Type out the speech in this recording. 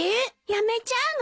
やめちゃうの？